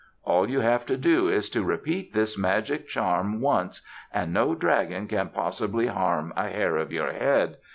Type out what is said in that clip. All you have to do is to repeat this magic charm once and no dragon can possibly harm a hair of your head.